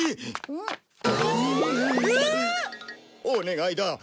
お願いだ。